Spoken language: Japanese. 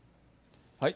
はい。